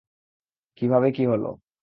কিভাবে কী হল?